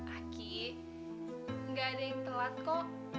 aki gak ada yang telat kok